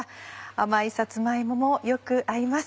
甘いさつま芋もよく合います。